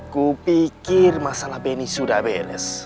gua pikir masalah benny sudah beles